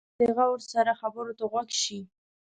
که غواړې چې همسر دې غور سره خبرو ته غوږ شي.